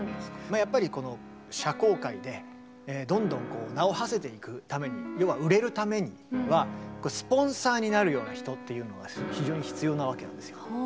やっぱりこの社交界でどんどん名をはせていくために要は売れるためにはスポンサーになるような人っていうのが非常に必要なわけなんですよ。